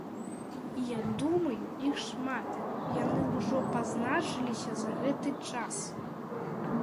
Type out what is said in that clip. Я думаю, іх шмат, яны ўжо пазначыліся за гэты час.